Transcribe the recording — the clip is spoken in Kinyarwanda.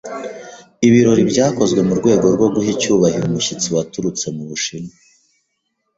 Ibirori byakozwe mu rwego rwo guha icyubahiro umushyitsi waturutse mu Bushinwa.